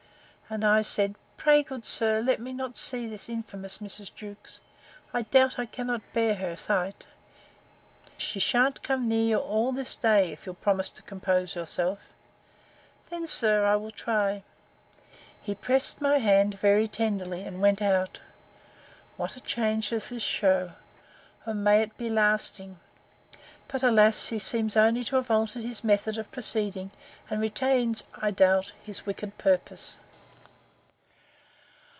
And I said, Pray, good sir, let me not see this infamous Mrs. Jewkes; I doubt I cannot bear her sight. She shan't come near you all this day, if you'll promise to compose yourself. Then, sir, I will try. He pressed my hand very tenderly, and went out. What a change does this shew!—O may it be lasting!—But, alas! he seems only to have altered his method of proceeding; and retains, I doubt, his wicked purpose.